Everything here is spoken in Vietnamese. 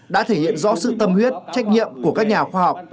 đã thể hiện rõ sự tâm huyết trách nhiệm của các nhà khoa học